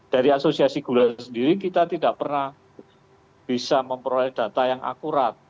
dari asosiasi gula sendiri kita tidak pernah bisa memperoleh data yang akurat